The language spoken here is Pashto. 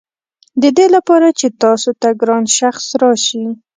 ددې لپاره چې تاسو ته ګران شخص راشي.